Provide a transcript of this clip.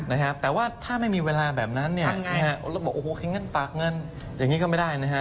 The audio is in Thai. นะครับแต่ว่าถ้าไม่มีเวลาแบบนั้นเนี่ยเราบอกโอเคงั้นฝากเงินอย่างนี้ก็ไม่ได้นะฮะ